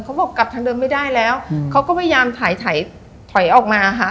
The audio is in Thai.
เขาบอกกลับทางเดิมไม่ได้แล้วเขาก็พยายามถ่อยออกมา